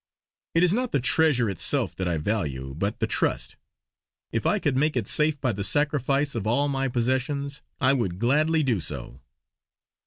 "It is not the treasure itself that I value, but the trust. If I could make it safe by the sacrifice of all my possessions I would gladly do so.